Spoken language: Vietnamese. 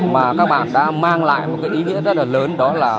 mà các bạn đã mang lại một cái ý nghĩa rất là lớn đó là